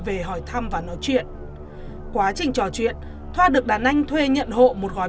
điện thoại thăm và nói chuyện quá trình trò chuyện thoa được đàn anh thuê nhận hộ một gói